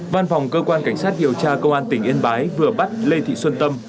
văn phòng cơ quan cảnh sát điều tra công an tỉnh yên bái vừa bắt lê thị xuân tâm